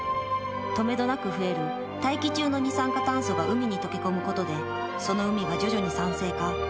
とめどなく増える大気中の二酸化炭素が海に溶け込むことでその海が徐々に酸性化。